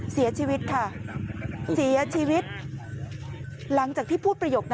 เสียชีวิตค่ะเสียชีวิตหลังจากที่พูดประโยคนั้น